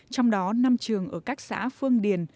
trong đó năm trường ở các xã phương điền